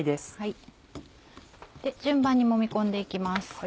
順番にもみ込んで行きます。